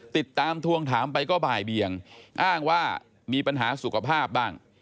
ทวงถามไปก็บ่ายเบียงอ้างว่ามีปัญหาสุขภาพบ้าง